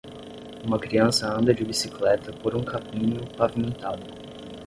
Uma criança anda de bicicleta por um caminho pavimentado.